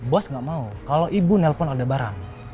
bos gak mau kalau ibu nelpon ada barang